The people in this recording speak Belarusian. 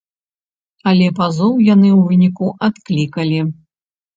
Але пазоў яны ў выніку адклікалі.